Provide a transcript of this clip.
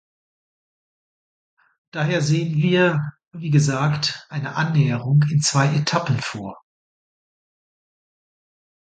Daher sehen wir, wie gesagt, eine Annäherung in zwei Etappen vor.